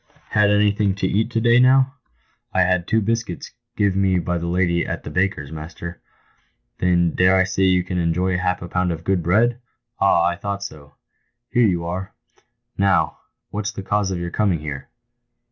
" Had anything to eat to day, now ?".»" I had two buscuits give me by the lady at the baker's, master." " Then I dare say you can enjoy half a pound of good bread ? Ah, I thought so. Here you are ! Now, what's the cause of your coming here